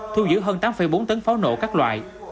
thu giữ hơn tám bốn tấn pháo nổ các loại